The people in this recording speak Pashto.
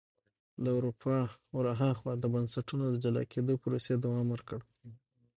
له اروپا ور هاخوا د بنسټونو د جلا کېدو پروسې دوام ورکړ.